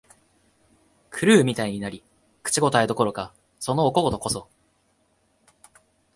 狂うみたいになり、口応えどころか、そのお小言こそ、